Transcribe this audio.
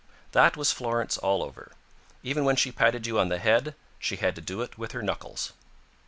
That was Florence all over. Even when she patted you on the head, she had to do it with her knuckles.